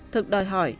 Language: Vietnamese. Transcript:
thực đòi hỏi